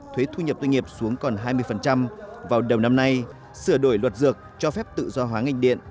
thuế thu nhập doanh nghiệp xuống còn hai mươi vào đầu năm nay sửa đổi luật dược cho phép tự do hóa ngành điện